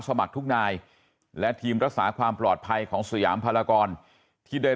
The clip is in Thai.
สมัครทุกนายและทีมรักษาความปลอดภัยของสยามพลากรที่ได้